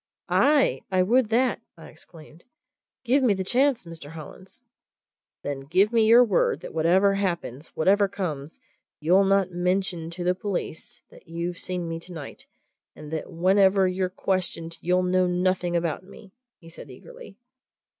"Aye! I would that!" I exclaimed. "Give me the chance, Mr. Hollins!" "Then give me your word that whatever happens, whatever comes, you'll not mention to the police that you've seen me tonight, and that whenever you're questioned you'll know nothing about me!" he said eagerly.